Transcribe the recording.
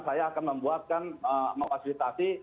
saya akan membuatkan memfasilitasi